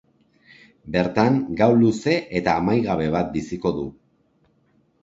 Bertan, gau luze eta amaigabe bat biziko du...